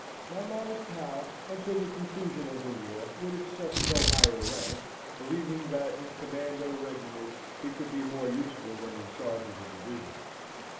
My modest Hal, until the conclusion of the war, would accept no higher rank, believing that in command of a regiment he could be more useful than in charge of a division.